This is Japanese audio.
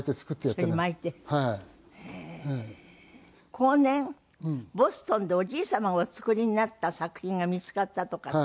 後年ボストンでおじい様がお作りになった作品が見つかったとかって。